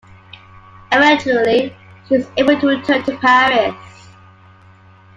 Eventually she was able to return to Paris.